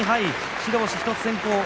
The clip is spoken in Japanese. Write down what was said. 白星１つ先行。